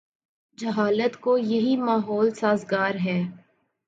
جہالت کو یہی ماحول سازگار ہے۔